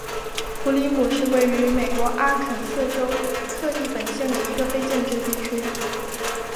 普里姆是位于美国阿肯色州克利本县的一个非建制地区。